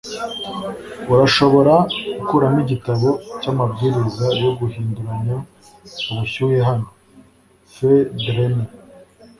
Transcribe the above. Urashobora gukuramo igitabo cyamabwiriza yo guhinduranya ubushyuhe hano (FeuDRenais)